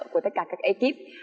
của tất cả các ekip